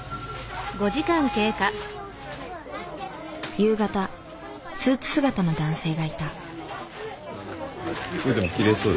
夕方スーツ姿の男性がいた。